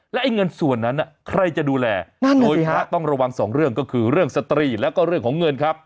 และไอ้เงินส่วนนั้นใครจะดูแลโดยพระต้องระวังสองเรื่องก็คือเรื่องสตรีแล้วก็เรื่องของเงินครับ